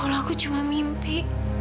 ya allah aku cuma mimpi